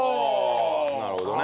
なるほどね。